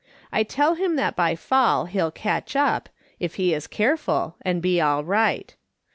I tell him that by fall he'll catch up, if he is careful, and be all right.